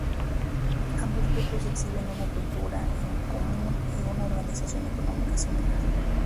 Ambos grupos exhiben una cultura en común y una organización económica similar.